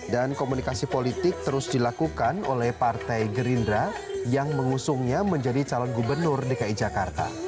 dan komunikasi politik terus dilakukan oleh partai gerindra yang mengusungnya menjadi calon gubernur dki jakarta